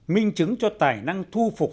minh chứng cho tài năng thu phục